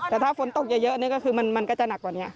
แต่ถ้าฝนตกเยอะนี่ก็คือมันก็จะหนักกว่านี้